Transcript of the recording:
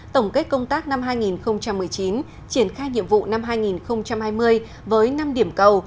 tổng kết công tác năm hai nghìn một mươi chín triển khai nhiệm vụ năm hai nghìn hai mươi với năm điểm cầu